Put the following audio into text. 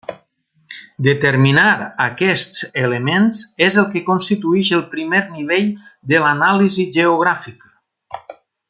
Determinar aquests elements és el que constitueix el primer nivell de l'anàlisi geogràfica.